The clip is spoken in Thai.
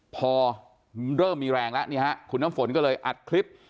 พอเริ่มมีแรงแล้วนี่ฮะคุณน้ำฝนก็เลยอัดคลิป